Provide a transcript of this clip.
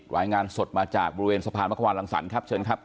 รายงานสดมาจากบริเวณสะพานมะควานรังสรรค์ครับเชิญครับ